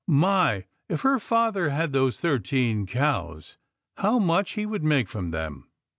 My ! If her father had those thirteen cows, how much he would make from them